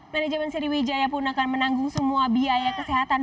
manajemen sriwijaya pun akan menanggung semua biaya kesehatan